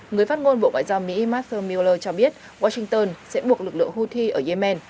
người phát ngôn bộ ngoại giao mỹ martha mueller cho biết washington sẽ buộc lực lượng hưu thi ở yemen